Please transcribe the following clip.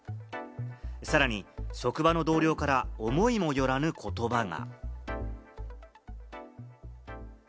さらに職場の同僚から、思いもよらぬ言葉が。